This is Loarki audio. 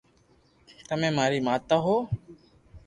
تمي ماري ماتا ھون